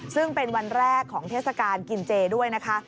ซึ่งเป็นวันแรกของเทศกาลกินเจด้วยนะคะ